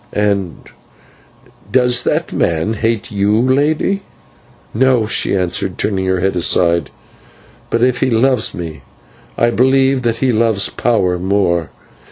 "And does that man hate you, Lady?" "No," she answered, turning her head aside; "but if he loves me, I believe that he loves power more.